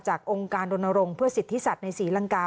จากองค์การโดนโรงเพื่อสิทธิศัตริย์ในศรีรังกา